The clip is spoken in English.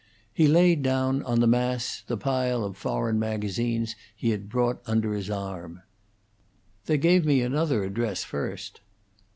He laid down on the mass the pile of foreign magazines he had brought under his arm. "They gave me another address first."